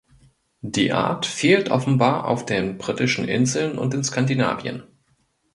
Die Art fehlt offenbar auf den Britischen Inseln und in Skandinavien.